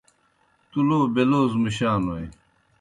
تُو لو بے لوظ مُشانوئے۔